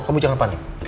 kamu jangan panik oke